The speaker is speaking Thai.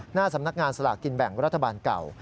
หน้าสำนักงานสลากกินแบ่งรัฐบาลเก่า